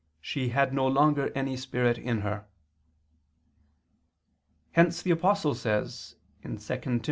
. she had no longer any spirit in her." Hence the Apostle says (2 Tim.